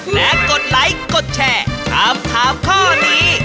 และกดไลค์กดแชร์ถามถามข้อนี้